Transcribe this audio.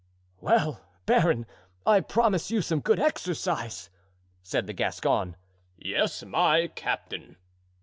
"Well, baron, I promise you some good exercise!" said the Gascon. "Yes, my captain."